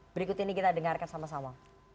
berikut ini kita dengarkan sama sama